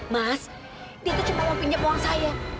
mas dia kecepatan pinjam uang saya